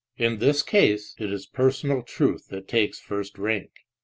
In this case it is personal truth that takes first rank, i.